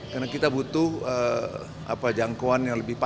karena kita butuh jangkauan yang lebih parah